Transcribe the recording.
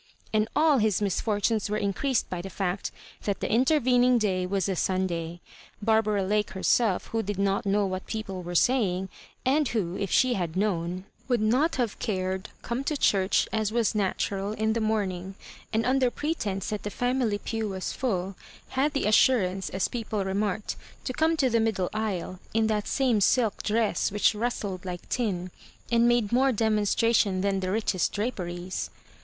And all his misfortunes were increased by the fact that the intervening day was a Sunday. Barbara Lake herself, who did not know what people were saying, and who, if she had known, would not have cared, came to church, as wacr natural, in the morning; and under pretence that the fiunily pew was Ml, had tiie assurance, as people remarked, to come to the middle aisle, in that same silk dress which rustled like tin, and made more demonstration than the richest draperies.